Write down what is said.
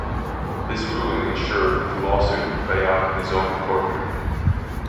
This ruling ensured that the lawsuit would play out in his own courtroom.